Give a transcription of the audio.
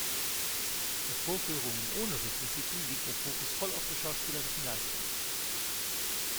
Bei Vorführungen ohne Requisiten liegt der Fokus voll auf der schauspielerischen Leistung.